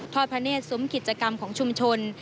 พระเนธซุ้มกิจกรรมของชุมชน